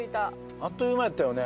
あっという間やったよね。